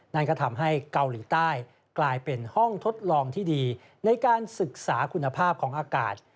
นั่นก็ทำให้เกาหลีใต้กลายเป็นห้องทดลองที่ดีในการศึกษาคุณภาพของอากาศ